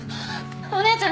お姉ちゃん